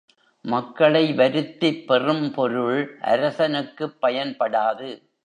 மக்களை வருத்திப் பெறும் பொருள் அரசனுக்குப் பயன்படாது.